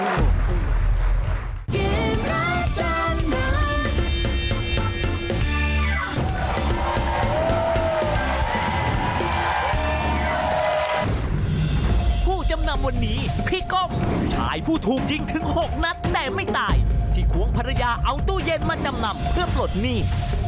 ผู้จำนำวันนี้พี่ก้องชายผู้ถูกยิงถึง๖นัดแต่ไม่ตายที่ควงภรรยาเอาตู้เย็นมาจำนำเพื่อปลดหนี้